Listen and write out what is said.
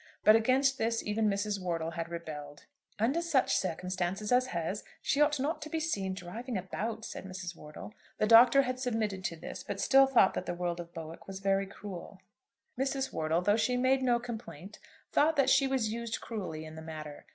But against this even Mrs. Wortle had rebelled. "Under such circumstances as hers she ought not to be seen driving about," said Mrs. Wortle. The Doctor had submitted to this, but still thought that the world of Bowick was very cruel. Mrs. Wortle, though she made no complaint, thought that she was used cruelly in the matter.